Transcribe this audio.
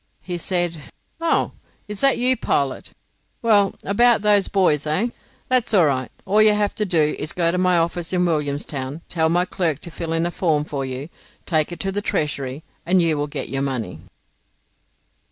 He said: "Oh, is that you, Pilot? Well, about those buoys, eh? That's all right. All you have to do is go to my office in Williamstown, tell my clerk to fill in a form for you, take it to the Treasury, and you will get your money."